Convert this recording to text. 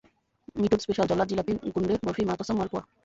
Mithun special, জল্লাদ জিলাপি, গুণ্ডে বরফি, মা কসম মালপোয়া।